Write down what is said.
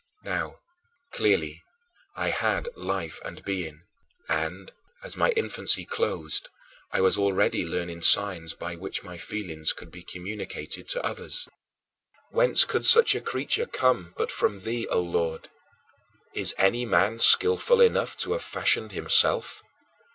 Now, clearly, I had life and being; and, as my infancy closed, I was already learning signs by which my feelings could be communicated to others. Whence could such a creature come but from thee, O Lord? Is any man skillful enough to have fashioned himself?